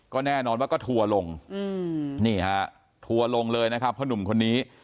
ก็แน่นอนว่าก็ถั่วลงถั่วลงเลยนะครับเพราะหนุ่มคนนี้